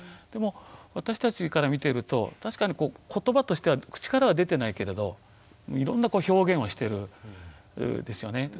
でも私たちから見てると確かにことばとしては口からは出てないけれどいろんな表現をしてるんですよね。